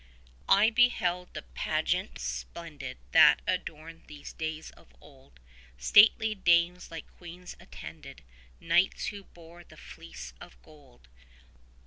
20 I beheld the pageants splendid that adorned those days of old; Stately dames, like queens attended, knights who bore the Fleece of Gold.